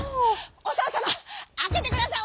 「おしょうさまあけてください。